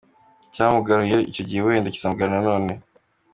Icyamugaruye icyo gihe wenda kizamugarura nanone.